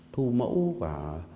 thu mẫu và